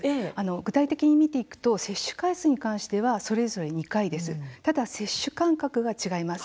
具体的に見ていくと接種回数については、それぞれ２回です。